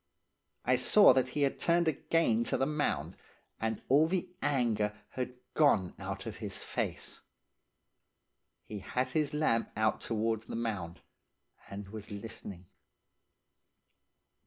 I saw that he had turned again to the mound, and all the anger had gone out of his face. He had his lamp out towards the mound, and was listening.